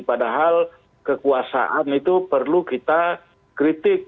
padahal kekuasaan itu perlu kita kritik